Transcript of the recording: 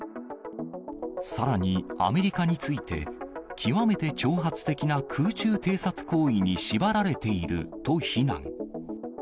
さらにアメリカについて、極めて挑発的な空中偵察行為に縛られていると非難。